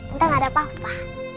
entah gak ada apa apa